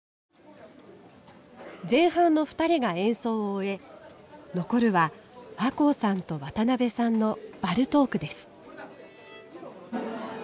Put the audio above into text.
前半の２人が演奏を終え残るは若生さんと渡邊さんのバルトークです。